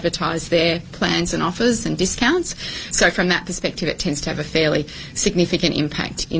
ketua eir claire savage memberikan lebih banyak wawasan tentang makna dibalik tawaran ao la tan